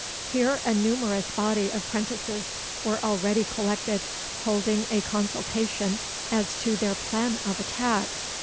Here a numerous body of 'prentices were already collected, holding a consultation as to their plan of attack.